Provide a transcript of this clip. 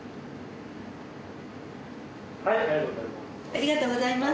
ありがとうございます。